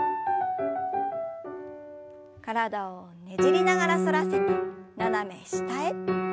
体をねじりながら反らせて斜め下へ。